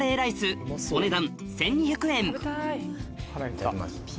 いただきます。